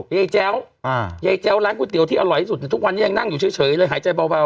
ยายแจ้วยายแจ้วร้านก๋วเตี๋ที่อร่อยที่สุดทุกวันนี้ยังนั่งอยู่เฉยเลยหายใจเบา